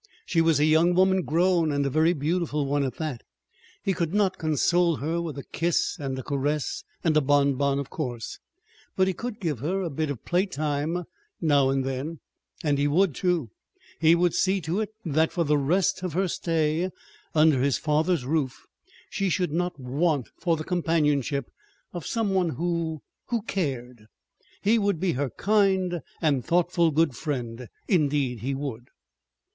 She was a young woman grown, and a very beautiful one, at that. He could not console her with a kiss and a caress, and a bonbon, of course. But he could give her a bit of playtime, now and then and he would, too. He would see to it that, for the rest of her stay under his father's roof, she should not want for the companionship of some one who who "cared." He would be her kind and thoughtful good friend. Indeed, he would!